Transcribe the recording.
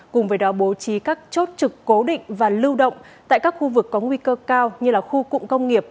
cùng với đó bố trí các chốt trực cố định và lưu động tại các khu vực có nguy cơ cao như khu cụm công nghiệp